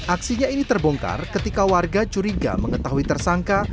aksinya ini terbongkar ketika warga curiga mengetahui tersangka